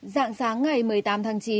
dạng sáng ngày một mươi tám tháng chín